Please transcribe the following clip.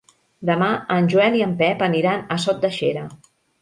Demà en Joel i en Pep aniran a Sot de Xera.